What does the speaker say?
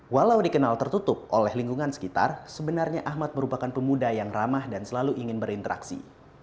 walau dikenal tertutup oleh lingkungan sekitar sebenarnya ahmad merupakan pemuda yang ramah dan selalu ingin berinteraksi